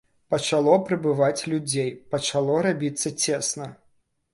Пачало прыбываць людзей, пачало рабіцца цесна.